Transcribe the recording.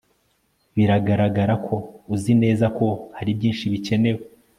Biragaragara ko uzi neza ko hari byinshi bikenewe